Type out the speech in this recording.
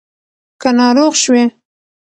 که ناروغ شوې